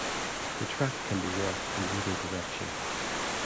The track can be walked in either direction.